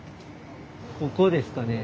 ここですかね。